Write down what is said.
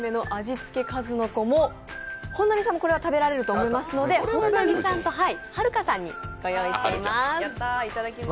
付数の子本並さんもこれは食べられると思いますので、本並さんとはるかちゃんにご用意しています。